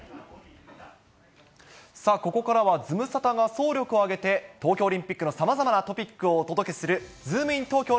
ここからはズムサタが総力を挙げて、東京オリンピックのさまざまなトピックをお届けするズームイン！！